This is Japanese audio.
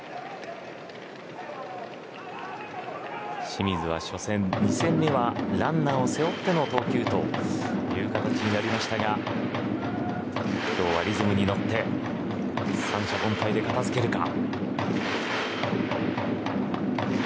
清水は初戦２戦目はランナーを背負っての投球という形になりましたが今日はリズムに乗って三者凡退で片付けるか。